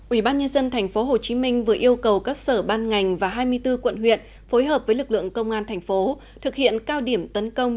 ủy ban nhân dân tp hcm vừa yêu cầu các sở ban ngành và hai mươi bốn quận huyện phối hợp với lực lượng công an thành phố thực hiện cao điểm tấn công